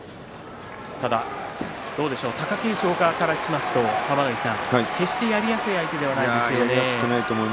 ただ、どうでしょう貴景勝側からしますと決してやりやすい相手ではそうですね。